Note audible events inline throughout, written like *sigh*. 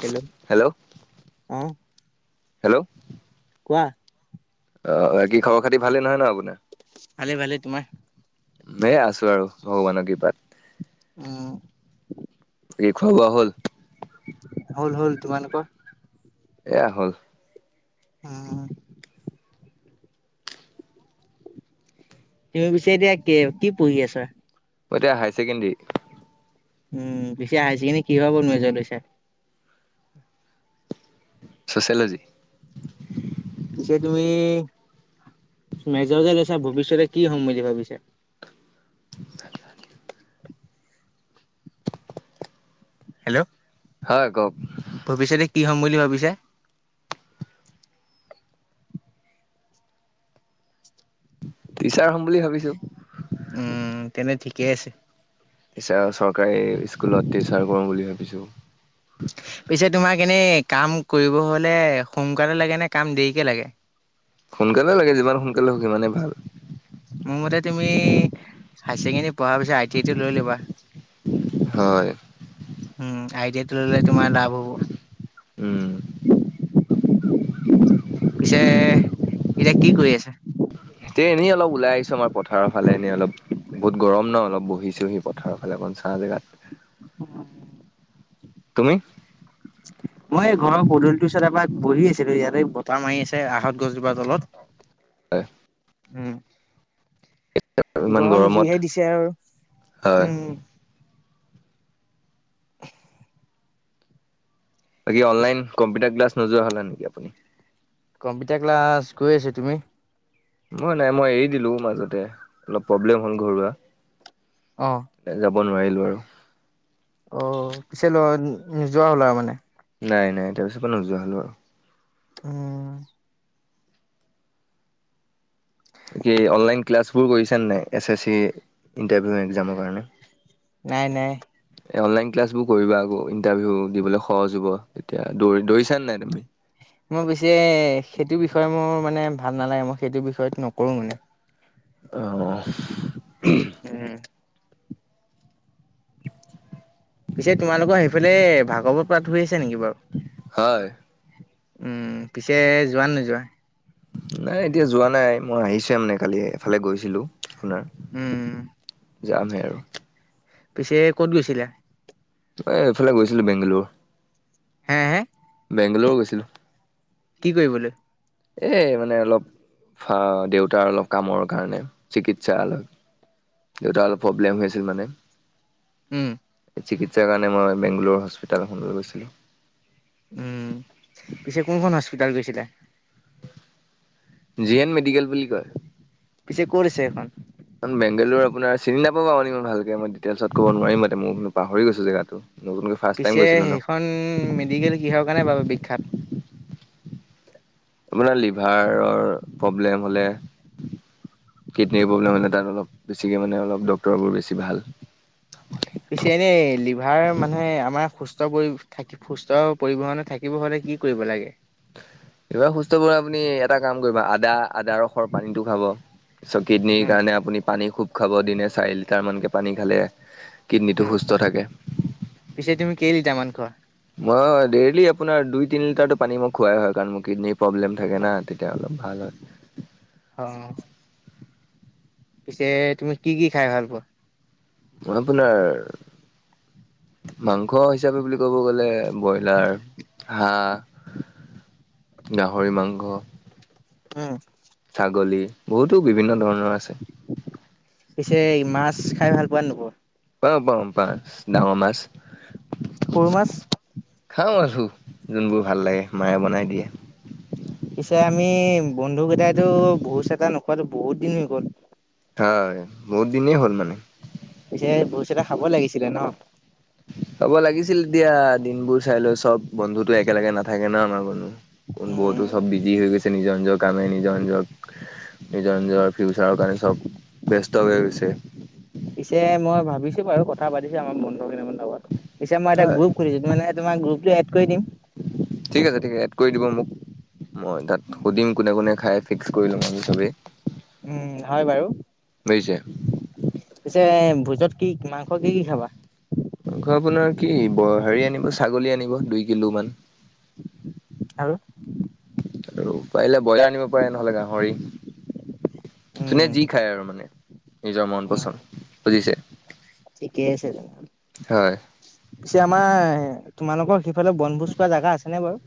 Hello hello অ, hello কোৱা? অ, বাকি খবৰ খাতি ভালেই নহয়, ন, আপুনাৰ। ভালে ভালে তোমাৰ এ, আছো আৰু ভগৱানৰ কৃপাত। উম। বাকী খোৱা বোৱা হ'ল হ'ল, হ'ল তোমালোকৰ? এয়া, হ'ল। উম। তুমি পিছে এতিয়া কি, কি পঢ়ি আছা? এতিয়া হায়াৰ ছেকেণ্ডেৰী। উম, পিছে হায়াৰ ছেকেণ্ডাৰীত কিহৰ ওপৰত মেজৰ লৈছা? চচিয়লজি। পিছে তুমি মেজৰ যে লৈছা, ভৱিষ্যতে কি হ'ম বুলি ভাবিছা? হেল্ল', হয় কওক ভৱিষ্যতে কি হ'ম বুলি ভাবিছা? টিচাৰ হ'ম বুলি ভাবিছো উম, তেনে ঠিকেই আছে। টিচাৰৰ চৰকাৰী স্কুলত টিচাৰ কৰোঁ বুলি ভাবিছোঁ। পিছে তোমাক এনেই কাম কৰিব হলে সোনকালে লাগে নে, কাম দেৰিকে লাগে। সোনকালে লাগে, যিমান সোনকালে হওঁক সিমানেই ভাল। মোৰ মতে তুমি হায়াৰ ছেকেণ্ডি পঢ়াৰ পিছত আই টি আই টো, লৈ ল'বা। হয় উম, আই টি আই তো ললে, তোমাৰ লাভ হ'ব। উম। পিছে এতিয়া কি, কৰি আছা? তে এনেই অলপ ওলাই আহিছো, আমাৰ পথাৰৰ ফালে এনেই অলপ। বহুত গৰম ন, অলপ বহিছোঁহি পথাৰৰ ফালে অকণ চাহ জেগাত। *inaudible* তুমি? মই এই ঘৰৰ পদূলিটোৰ ওচৰত এপাক বহি আছিলো, ইয়াতে বতাহ মাৰি আছে আহত গছজোপাৰ তলত। হয়। উম। ইমান গৰম গৰমত যিহে দিছে আৰু হয় উম। *unintelligible* বাকী অনলাইন, কম্পিউাৰ ক্লাছ নোযোৱা হ'লা নেকি আপুনি? কম্পিউটাৰ ক্লাছ গৈ আছে তুমি? মই নাই মই এৰি দিলো মাজতে অলপ প্ৰব্লেম হ'ল ঘৰুৱা। অ। যাব নোৱাৰিলো আৰু। অ পিছে ল নোযোৱা হলা মানে। নাই নাই তাৰপিছৰ পা নোযোৱা হলোঁ আৰু উম। কি অনলাইন ক্লাছবোৰ কৰিছেনে নাই, এছ এছ চি ইণ্টাৰভিউ এক্জামৰ কাৰণে? নাই নাই। অনলাইন ক্লাছবোৰ কৰিবা আকৌ ইণ্টাৰভিউ দিবলৈ সহজ হব তেতিয়া, দৌৰি দৌৰিছানে নাই তুমি? মই পিছে সেইটো বিষয়ে মোৰ মানে ভাল নালাগে মই সেইটো বিষয়ত নকৰো মানে। অ। উম। পিছে তোমালোকৰ সেইফালে, ভাগৱত পাঠ হৈ আছে নেকি বাৰু? হয় উম পিছে যোৱা নে নোযোৱা? নাই এতিয়া যোৱা নাই, মই আহিছোৱে মানে কালি এফালে গৈছিলো আপোনাৰ। উম যামহে আৰু। পিছে ক'ত গৈছিলা? এ, এইফালে গৈছিলোঁ বেংগালোৰ। হে, হে? বেংগালোৰো গৈছিলোঁ। কি কৰিবলে? এ, মানে অলপ হ, দেউতাৰ অলপ কামৰ কাৰণে চিকিৎসালয়। দেউতা অলপ প্ৰব্লেম হৈ আছিল মানে। উম। চিকিৎসাৰ কাৰণে মই বেংগলোৰোৰ হস্পিটেল এখনলৈ গৈছিলোঁ। উম, পিছে কোনখন হস্পিতাল গৈছিলা? জি এন মেডিকেল বুলি কয়। পিছে ক'ত আছে সেইখন? বেংগালোৰ আপোনাৰ চিনি নাপাব *unintelligible* ভালকে, মই দিটেইলছত কব নোৱাৰিম মানে, মই পাহৰি গৈছোঁ জেগাটো। নতুনকৈ ফাৰ্ষ্ট টাইম পিছে গৈছিলোঁ ন। সেইখন মেডিকেল কিহৰ কাৰণে বাৰু বিখ্যাত? আপোনাৰ লিভাৰৰ প্ৰব্লেম হ'লে কিডনীৰ প্ৰব্লেম হ'লে তাত অলপ বেছিকে মানে অলপ ড্ক্তৰবোৰ বেছি ভাল। পিছে এনে লিভাৰ মানে আমাৰ সুস্থ কৰি থাকি সুস্থ পৰিবহনে থাকিব হ'লে কি কৰিব লাগে? কিবা সুস্থ *unintelligible* আপুনি ইয়াত এটা কাম কৰিব আদা আদা ৰসৰ পানীটো খাব, চ' কিডনিৰ উম, কাৰণে আপুনি পানী খুব খাব দিনে চাৰি লিটাৰ মানকে পানী খালে কিডনীটো উম। সুস্থ থাকে। পিছে তুমি কেইলিটাৰমান খোৱা? মই ডেইলি আপোনাৰ দুই, তিনি লিটাৰটো পানী মই খোৱাই হয় কাৰণ মোৰ কিডনীৰ প্ৰব্লেম থাকে না তেতিয়া অলপ ভাল হয়। অ'। পিছে তুমি কি কি খাই ভাল পোৱা? আপোনাৰ মাংস হিচাপে বুলি ক'ব গ'লে ব্ৰইলাৰ, হাঁহ, গাহৰি মাংস উম। ছাগলী বহুতো বিভিন্ন ধৰণৰ আছে। পিছে মাছ খাই ভাল পোৱা নে নোপোৱা? পাওঁ পাওঁ মাছ, ডাঙৰ মাছ। সৰু মাছ? খাওঁ আৰু যোনবোৰ ভাল লাগে, মায়ে বনাই দিয়ে। পিছে আমি বন্ধুকেইটাইতো ভোজ এটা নোখোৱাতো বহুত দিন হৈ গ'ল। হয় বহুত দিনেই হ'ল মানে। পিছে ভোজ এটা খাব লাগিছিলে ন'? হ'ব লাগিছিল, এতিয়া দিনবোৰ চাই লৈ, চব বন্ধুতো একেলগে নাথাকে ন' আমাৰ মানু কোন বহুতো উম, চব বিজি হৈ গৈছে নিজৰ নিজৰ কামে, নিজৰ নিজক নিজৰ নিজৰ ফিউচাৰৰ কাৰণে চব ব্যস্ত হৈ গৈছে। পিছে মই ভাবিছোঁ বাৰু, কথা পাতিছোঁ আমাৰ বন্ধু কেইটাৰ লগত। পিছে মই এটা হয়। গ্ৰুপ খুলিছোঁ, মানে তোমাক গ্ৰুপটোত এড কৰি দিম। ঠিক আছে ঠিক আ, এড কৰি দিব মোক, মই তাত সুধিম কোনে কোনে খাই, ফিক্স কৰি লম আমি চবেই। উম, হয় বাৰু। বুজিছে পিছে ভোজত কি, মাংস কি কি খাবা? মাংস আপোনাৰ কি ব হেৰি আনিব ছাগলী আনিব দুই কিলো মান। আৰু? আৰু পাৰিলে ব্ৰইলাৰ আনিব পাৰে, নহলে গাহৰি। যোনে উম যি খায় আৰু মানে নিজৰ মন উম পচন্দ। বুজিছে? ঠিকেই আছে *unintelligible* হয়। পিছে আমাৰ তোমালোকৰ সিফালে বনভোজ খোৱা জেগা আছে নে বাৰু?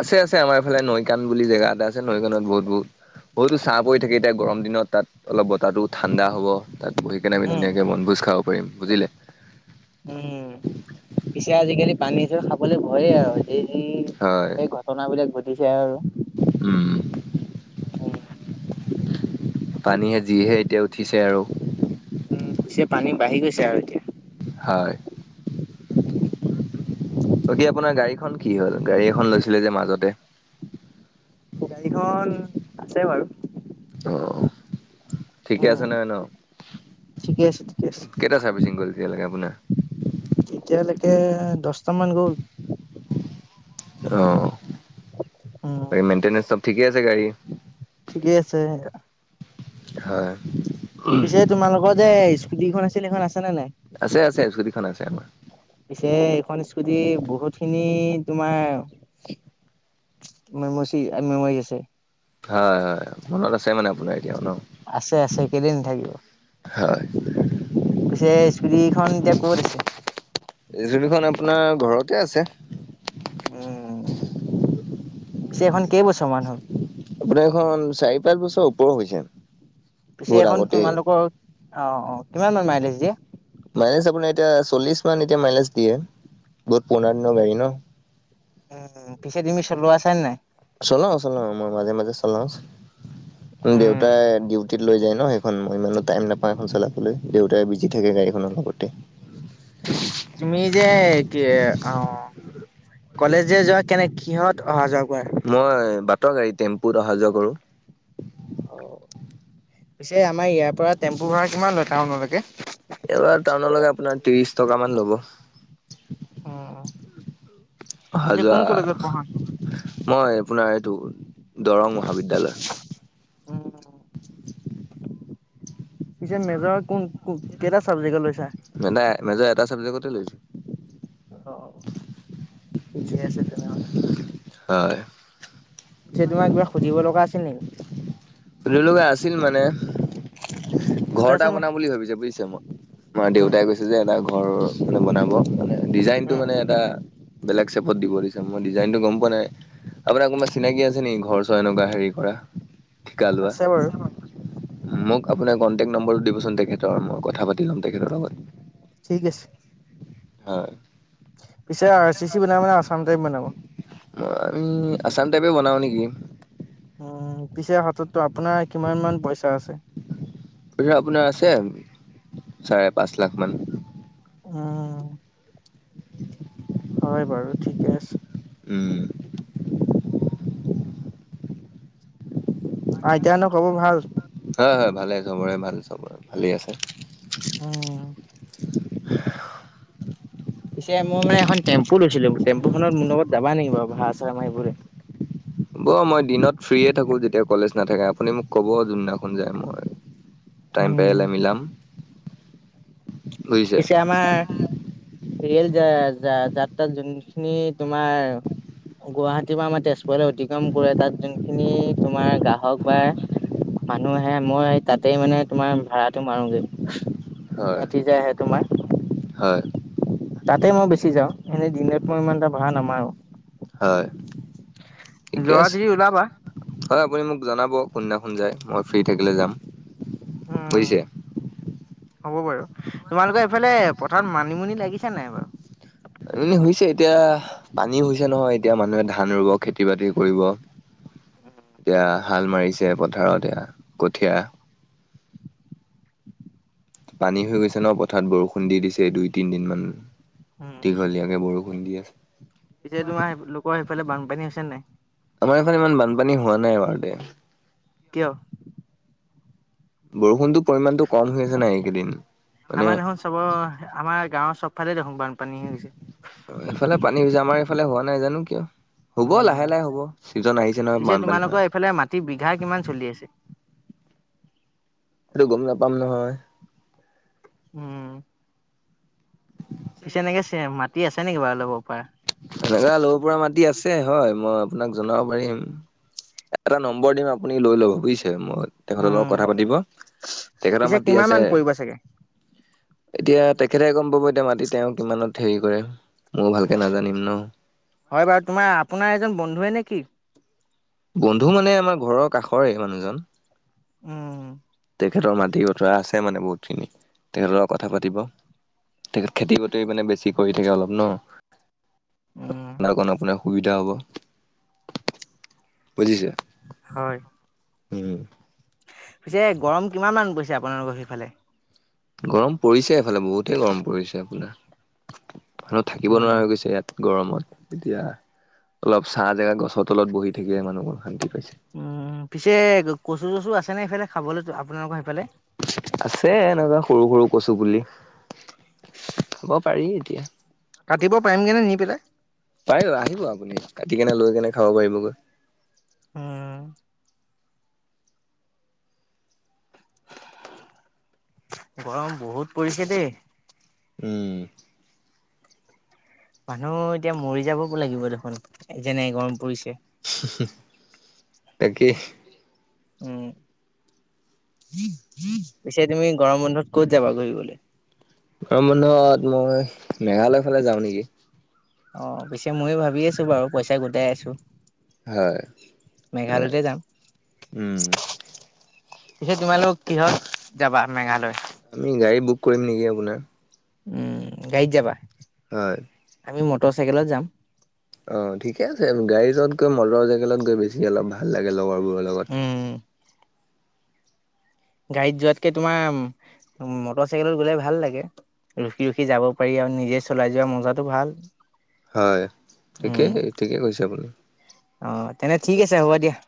আছে আছে, আমাৰ এফালে নৈ কান বুলি জেগা এটা আছে। নৈ কানত বহুত বহুত বহুতো চাহ পৰি থাকে এতিয়া গৰম দিনত তাত অলপ বতাহটো ঠাণ্ডা হ'ব। তাত বহি কেনে আমি উম ধুনীয়াকে বনভোজ খাব পাৰিম। বুজিলে? উম, পিছে আজিকালি পানীটো খাবলে ভয় আও যি যি হয়। সেই ঘ ঘটনাবিলাক ঘটিছে আৰু। উম। উম পানীহে যিহে এতিয়া উঠিছে আৰু। উম, চে পানী বাঢ়ি গৈছে আৰু এতিয়া। হয়। বাকী আপোনাৰ গাড়ীখন কি হ'ল? গাড়ী এখন লৈছিলে যে মাজতে? গাড়ীখন আছে বাৰু। অহঁ। ঠিকে উম আছে নহয় ন? ঠিকে আছে ঠিকে আছে। কেইটা চাৰ্ভিচিং গ'ল এতিয়া লেকে আপোনা? এতিয়ালেকে দছটামান গ'ল। অ, উম বাকী মেইনটেনেঞ্চ চব ঠিকে আছে গাড়ী? ঠিকেই আছে। হয়। এ তোমালোক যে স্কুটিখন আছিল? সেইখন আছে নে নাই? আছে আছে, স্কুটিখন আছে আমাৰ। পিছে, এইখন স্কুটি বহুত খিনি তোমাৰ মেমচি মেমৰি আছে। হয় হয়, মনত আছে মানে আপোনাৰ এতিয়াও ন। আছে আছে কেলে নাথাকিব হয়। পিছে, স্কুটি খন এতিয়া ক'ত আছে? স্কুটীখন আপোনাৰ ঘৰতে আছে। উম। পিছে এইখন কেই বছৰমান? আপোনাৰ এইখন চাৰি পাঁচ বছৰ ওপৰ হৈছে। পিছে, বহুত এইখন আগতেই। তোমালোকৰ অ অ কিমান মান মাইলেজ দিয়ে? মাইলেজ আপোনাৰ এতিয়া চল্লিছ মান এতিয়া মাইলেজ দিয়ে। বহুত পুৰণা দিনৰ গাড়ী ন। উম উম। পিছে, তুমি চলোৱা আছেন নাই? চলাও চলাও, মই মাজে মাজে চলাও। উম দেউতাই ডিউ ডিউটিত লৈ যায় ন, সেইখন। মই ইমানো টাইম নাপা এখন চলাবলৈ। দেউতাই বিজি থাকে গাড়ীখনৰ লগতে। তুমি যে এ কি অ। কলেজ যে যোৱা? কেনে কিহঁত অহা যোৱা কৰা? মই বাটৰ গাড়ী টেম্পুত অহা যোৱা কৰো। অ পিছে, আমাৰ ইয়াৰ পৰা টেম্পু ভাড়া কিমান লয় টাউনলৈকে? ইয়াপা টাউনলৈকে আপোনাৰ ত্ৰিশ টকা মান লব। অহা পিছে যোৱা। কোন কলেজত পঢ়া? মই আপোনাৰ এইটো দৰং মহাবিদ্যালয়। উম পিছে মেজৰ কোন কেইটা চাবজেক্টত লৈছা? মানে মেজৰ এটা চাবজেক্টতে লৈছো। অ', ঠিকে আছে তেনেহলে হয়, পিছে তোমাৰ কিবা সুধিব লগা আছিল নি? সুধিব লগা আছিল মানে ঘৰ এটা সোধাচোন বনাম বাৰু। বুলি ভাবিছে বুজিছে মই আমাৰ উম দেউতাই কৈছে যে এটা ঘৰ মানে বনাব মানে ডিজাইনটো উম মানে এটা বেলেগ চেপত দিব দিছে মই ডিজাইনটো গম পোৱা নাই। আপোনাৰ কোনোবা চিনাকি আছে নেকি ঘৰ চৰ এনেকুৱা হেৰি কৰা ঠিকা লোৱা? আছে বাৰু মোক আপোনাৰ কণ্টেক্ট নম্বৰটো দিবচোন তেখেতৰ মই কথা পাতি ল'ম তেখেতৰ লগত। ঠিক আছে। হয়। পিছে আৰ চি চি বনাব নে আছাম টাইপ বনাব? মই আমি আছাম টাইপে বনাওঁ নেকি উম, পিছে হাতততো আপোনাৰ কিমান মান পইচা আছে? পইছা আপোনাৰ আছে চাৰে পাঁচ লাখ মান। উম, *inaudible* হয়, বাৰু ঠিকে আছে। উম, আইতা হঁতৰ খবৰ ভাল? হয়, হয়, ভালে সবৰে ভাল চবৰে ভালেই আছে। উম, পিছে মই মানে এখন টেম্পু লৈছিলোঁ, টেম্পুখনত মোৰ লগত যাবা নেকি বাৰু ভাঢ়া চাঢ়া মাৰিবলৈ? হব, মই দিনত ফ্ৰীয়ে থাকো যেতিয়া কলেজ নাথাকে আপুনি মোক ক'ব যোনদিনাখন যায় মই টাইম উম, পাৰিলে মিলাম। বুজিছে পিছে আমাৰ ৰিয়েল যা যাত্ৰা যোনখিনি তোমাৰ গুৱাহাটী বা আমাৰ তেজপুৰলৈ অতিক্ৰম কৰে তাত যোনখিনি তোমাৰ গ্ৰাহক বা মানুহ আহে মই তাতেই মানে তোমাৰ ভাড়াটো মাৰোগে হয় ৰাতি যে আহে তোমাৰ। হয়। তাতে মই বেছি যাওঁ এনেই দিনত মই ইমান এটা ভাঢ়া নামাৰো। হয়, ঠিকে যোৱা আছে। যদি ওলাবা হয় আপুনি মোক জনাব কোনদিনাখন যায় মই ফ্ৰী থাকিলে যাম। বুজিছে উম, হ'ব বাৰু তোমালোকৰ এইফালে পথাৰত মানিমুনি লাগিছে নাই বাৰু? এনেই হৈছে এতিয়া পানী হৈছে নহয় এতিয়া মানুহে ধান ৰুব খেতি বাতি কৰিব। এতিয়া হাল মাৰিছে পথাৰত এয়া কঠীয়া পানী হৈ গৈছে ন' পথাৰত বৰষুণ দি দিছে দুই তিনদিন মান। উম, দীঘলীয়াকে বৰষুণ দি আছে পিছে তোমালোকৰ সেইফালে বানপানী হৈছে নাই? আমাৰ এইফালে ইমান বানপানী হোৱা নাই বাৰু দে। কিয়? বৰষুণটো পৰিমাণটো কম হৈ আছে না এইকেইদিন। মানে আমা দেখোন চবৰ আমাৰ গাঁৱৰ চবফালে দেখোন বানপানী হৈছে। অ', এইফালে পানী হৈছে আমাৰ এইফালে হোৱা নাই জানো কিয়? হ'ব উম, লাহে লাহে হ'ব চিজন আহিছে নহয় বানপানী হোৱা। তি বিঘা কিমান চলি আছে? সেটো গম নাপাম নহয়। উম। পিছে এনেকে চে মাটি আছে নেকি বাও ল'ব পাৰা? এনেকা ল'ব পৰা মাটি আছে হয় মই আপোনাক জনাব পাৰিম। এটা নম্বৰ দিম আপুনি লৈ ল'ব বুইছে মই তেখেত' লগত উম, কথা পাতিব। তেখেত' পিছে মাতি কিমান আছে। মান পৰিব চাগে? এতিয়া তেখেতে গম পাব এতিয়া মাতি তেওঁ কিমানত হেয়ি কৰে, মইয়ো ভালক কে নাজানিম ন। হয় বাৰু তোমা আপোনা এজন বন্ধুৱে নে কি? বন্ধু মানে আমা ঘৰৰ কাষৰে মানুহজন। উম। তেখেতৰ মাটি বতৰা আছে মানে বহুতখিনি। তেখেত' লগত কথা পাতিব তেখেত খেতি *unintelligible* মানে বেছি কৰি থাকে অলপ ন। উম, *unintelligible* আপোনাৰ সুবিধা হ'ব। বুজিছা, হয়। উম। পিছে গৰম কিমান মান পৰিছে আপোনালোকৰ সেইফালে? গৰম পৰিছে এফালে বহুতে গৰম পৰিছে আপোনাৰ। মানুহ থাকিব উম, নোৱাৰা হৈ গৈছে ইয়াত। গৰমত এতিয়া অলপ ছাঁ জেগা গছৰ তলত বহি থাকিয়ে মানুহবোৰ শান্তি পাইছে। উম পিছে কচু চচু আছে নে সেইফালে খাবলে টো আপোনালোকৰ সেইফালে। আছে এনেকুৱা সৰু সৰু কচু পুলি। খাব পাৰি এতিয়া। কাটিব পায়িম গেনে নি পেলাই? পাৰিব আহিব আপুনি কাটি কেনে লৈ কেনে খাব পাৰিবগৈ। উম। গৰম বহুত পৰিছে দেই। উম। মানুহ এতিয়া মৰি যাব ব লাগিব দেখোন এ, যেনে গৰম পৰিছে। *unintelligible* তাকে। উম, পিছে তুমি গৰম বন্ধত ক'ত যাবা ঘূৰিবলে? গৰম বন্ধত মই মেঘালয় ফালে যাওঁ নিকি অ', পিছে ময়ো ভাবি আছোঁ বাৰু পইচা গোটাই আছোঁ। হয়, তাক যাম। উম। পিছে তোমালোক কিহত যাবা মেঘালয়? আমি গাড়ী বুক কৰিম নিকি আপোনাৰ উম গাইত যাবা। হয়। আমি মটচাইকেলত যাম। অ', ঠিকে আছে গাড়ী যত গৈ মটৰ চাইকেলত গৈ বেছি অলপ ভাল লাগে লগৰ বোৰ উম। গাড়ীত যোৱাতকে তোমা উম মটৰ চাইকেলত গ'লে ভাল লাগে। ৰখি ৰখি যাব পাৰি আৰু নিজে চলাই যোৱা মজাটো ভাল। হয় ঠিকেই উম ঠিকে কৈছে আপুনি অ তেনে ঠিক আছে হ'ব দিয়া